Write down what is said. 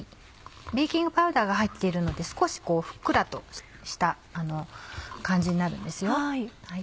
ベーキングパウダーが入っているので少しふっくらとした感じになるんですよ。